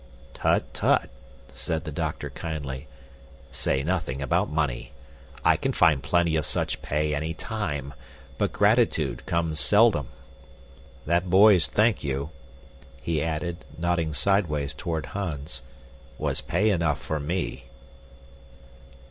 "Tut, tut!" said the doctor kindly. "Say nothing about money. I can find plenty of such pay any time, but gratitude comes seldom. That boy's thank you," he added, nodding sidewise toward Hans, "was pay enough for me."